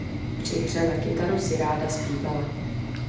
Při hře na kytaru si ráda zpívala.